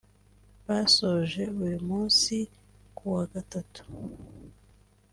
basoje uyu munsi (ku wa Gatatu)